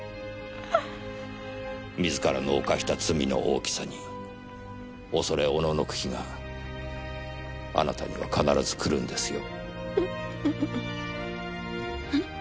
自らの犯した罪の大きさに恐れおののく日があなたには必ず来るんですよ。